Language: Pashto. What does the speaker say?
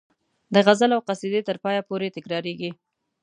د غزل او قصیدې تر پایه پورې تکراریږي.